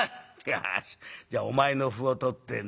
よしじゃあお前の歩を取って成り」。